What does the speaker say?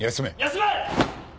休め。